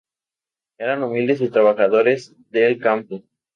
Eran humildes trabajadores del campo.